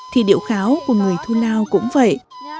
thì điệu kháo của người thu lao cũng vậy